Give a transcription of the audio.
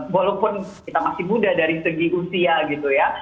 walaupun kita masih muda dari segi usia gitu ya